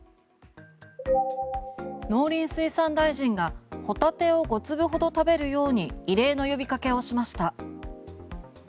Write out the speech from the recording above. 農林水産大臣がホタテを５粒ほど食べるように異例の呼びかけをしました。